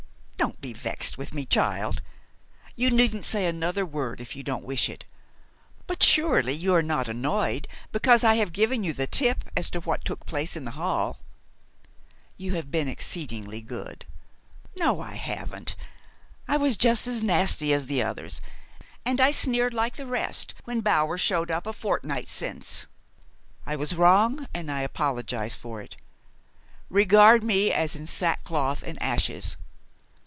"Don't be vexed with me, child. You needn't say another word if you don't wish it; but surely you are not annoyed because I have given you the tip as to what took place in the hall?" "You have been exceedingly good " "No. I haven't. I was just as nasty as the others, and I sneered like the rest when Bower showed up a fortnight since. I was wrong, and I apologize for it. Regard me as in sackcloth and ashes.